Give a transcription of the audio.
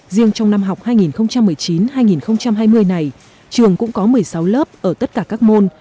riêng trong năm học hai nghìn một mươi chín hai nghìn hai mươi này trường cũng có một mươi sáu lớp ở tất cả các môn